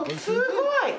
すごい！